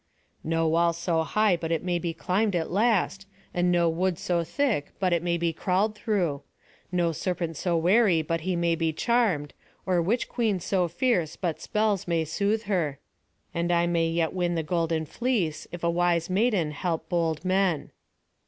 "No wall so high but it may be climbed at last, and no wood so thick but it may be crawled through; no serpent so wary but he may be charmed, or witch queen so fierce but spells may soothe her; and I may yet win the golden fleece, if a wise maiden help bold men."